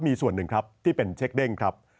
มีส่วนหนึ่งครับที่เป็นเช็คเด้งครับ